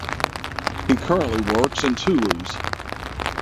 He currently works in Toulouse.